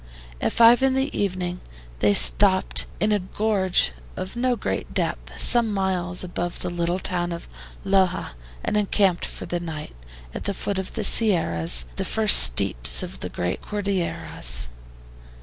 At five in the evening they stopped in a gorge of no great depth, some miles above the little town of Loja, and encamped for the night at the foot of the Sierras, the first steppes of the great Cordilleras.